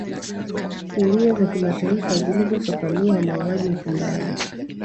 sheria za kimataifa zilizofafanua mauaji ya kimbari